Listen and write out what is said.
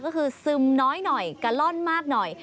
ก็คือซึมน้อยหน่อยกะล่อนมากหน่อย